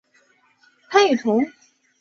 潘雨桐。